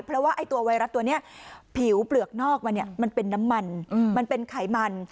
เพราะว่าไอ้ตัวไวรัสตัวนี้ผิวเปลือกนอกมันเนี่ยมันเป็นน้ำมันมันเป็นไขมัน